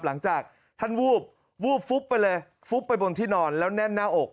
หลังจากท่านวูบวูบฟุบไปเลยฟุบไปบนที่นอนแล้วแน่นหน้าอก